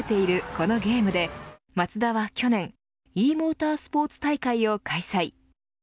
このゲームでマツダは去年ｅモータースポーツ大会を開催。